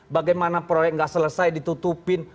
bagaimana proyek nggak selesai ditutupin